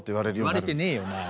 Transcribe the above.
言われてねえよなあ。